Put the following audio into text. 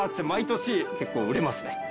毎年結構売れますね。